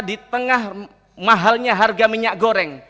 di tengah mahalnya harga minyak goreng